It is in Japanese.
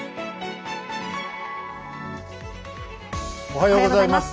おはようございます。